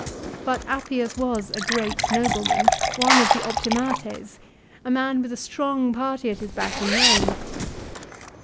But Appius was a great nobleman, one of the " optimates," a man with a strong party at his back in Eome.